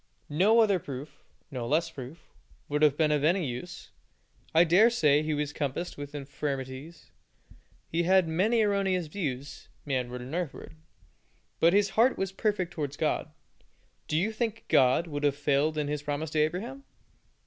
No other proof no less proof would have been of any use. I dare say he was compassed with infirmities, had many erroneous views, manward and earthward, but his heart was perfect towards God. Do you think God would have failed in His promise to Abraham?